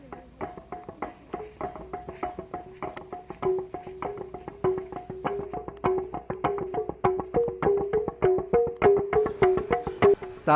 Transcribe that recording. saya juga suka ini